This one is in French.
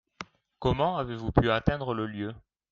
Comment avez-vous pu atteindre le lieu ?